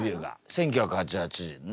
１９８８年ねっ。